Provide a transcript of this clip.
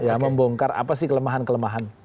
ya membongkar apa sih kelemahan kelemahan